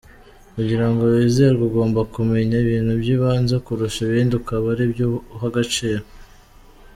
Kugira ngo wizerwe ugomba kumenya ibintu byibanze kurusha ibindi ukaba aribyo uha agaciro.